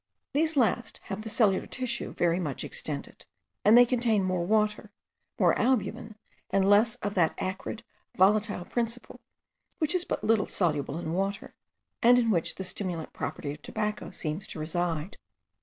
These last have the cellular tissue very much extended, and they contain more water, more albumen and less of that acrid, volatile principle, which is but little soluble in water, and in which the stimulant property of tobacco seems to reside.